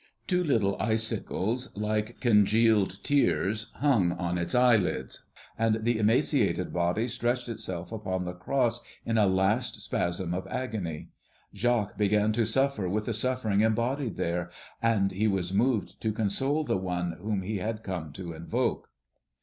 Two little icicles, like congealed tears, hung on its eyelids, and the emaciated body stretched itself upon the cross in a last spasm of agony. Jacques began to suffer with the suffering embodied there, and he was moved to console the One whom he had come to invoke.